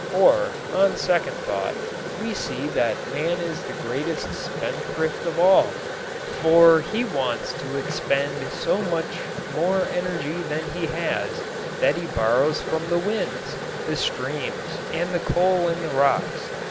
Or, on second thought, we see that man is the greatest spendthrift of all, for he wants to expend so much more energy than he has that he borrows from the winds, the streams and the coal in the rocks.